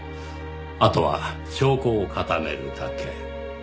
あとは証拠を固めるだけ。